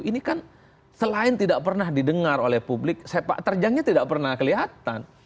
ini kan selain tidak pernah didengar oleh publik sepak terjangnya tidak pernah kelihatan